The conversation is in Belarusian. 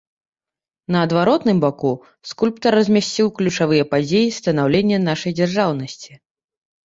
На адваротным баку скульптар размясціў ключавыя падзеі станаўлення нашай дзяржаўнасці.